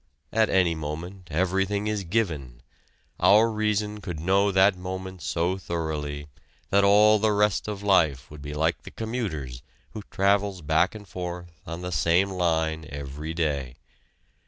At any moment everything is given: our reason could know that moment so thoroughly that all the rest of life would be like the commuter's who travels back and forth on the same line every day.